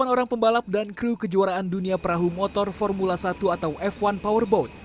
delapan orang pembalap dan kru kejuaraan dunia perahu motor formula satu atau f satu powerboat